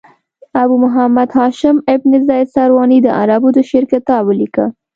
ابو محمد هاشم بن زید سرواني د عربو د شعر کتاب ولیکه.